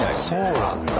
そうなんだ。